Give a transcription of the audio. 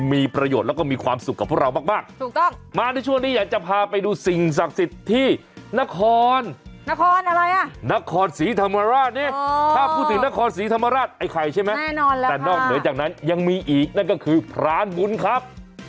พี่ฟังใช่ป่าวครับถูกต้องมาที่ช่วงนี้อยากจะพาไปดูสิ่งศักดิ์สิทธิ์ที่นครนครอะไรอ่ะนครศรีธรรมราชนี้อ่อถ้าพูดถึงนครศรีธรรมราชไอ้ไข่ใช่ไหมแน่นอนแล้วค่ะแต่นอกเหนือจากนั้นยังมีอีกนั่นก็คือพลาร์นบุญครับ